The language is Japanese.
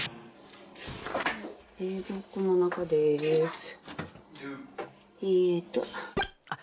冷蔵庫の中です。